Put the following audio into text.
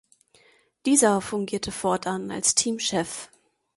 Dieser fungierte fortan als Teamchef.